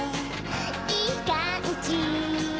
いいかんじ